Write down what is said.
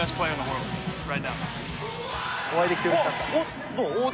お会いできてうれしかった。